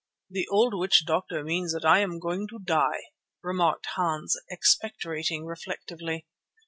"The old witch doctor means that I am going to die," remarked Hans expectorating reflectively.